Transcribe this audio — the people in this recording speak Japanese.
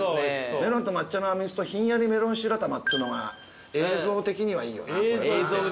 メロンと抹茶のあんみつとひんやりメロン白玉っつうのが映像的にはいいよなこれな。